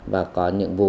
và có những vụ